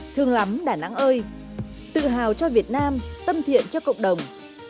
thương lắm đà nẵng ơi tự hào cho việt nam tâm thiện cho cộng đồng